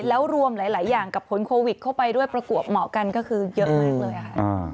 แล้วรวมหลายอย่างกับผลโควิดเข้าไปด้วยประกวบเหมาะกันก็คือเยอะมากเลยค่ะ